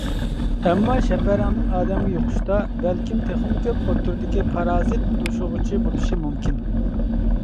ئەمما شەپەرەڭدىن ئادەمگە يۇقۇشتا بەلكىم تېخىمۇ كۆپ ئوتتۇرىدىكى پارازىت توشۇغۇچى بولۇشى مۇمكىن.